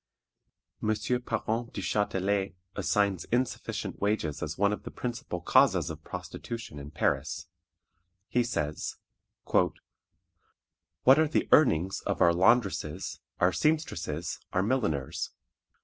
M. Parent Duchatelet assigns insufficient wages as one of the principal causes of prostitution in Paris. He says, "What are the earnings of our laundresses, our seamstresses, our milliners?